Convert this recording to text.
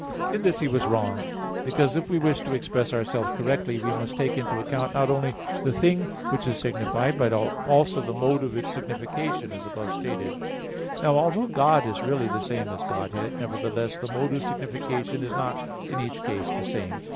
In this he was wrong, because if we wish to express ourselves correctly, we must take into account not only the thing which is signified, but also the mode of its signification as above stated (A. 4). Now although "God" is really the same as "Godhead," nevertheless the mode of signification is not in each case the same.